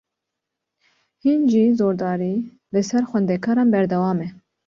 Hîn jî zordarî, li ser xwendekaran berdewame